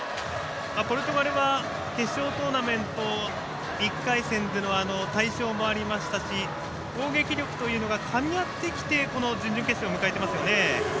ポルトガルは決勝トーナメント１回戦での大勝もありましたし攻撃力というのがかみ合ってきてこの準々決勝を迎えていますよね。